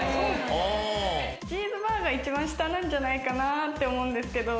チーズバーガー一番下なんじゃないかなって思うんですけど。